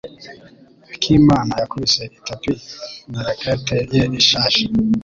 Akimana yakubise itapi na racket ye ishaje.